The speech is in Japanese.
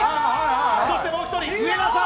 そしてもう一人、上田さん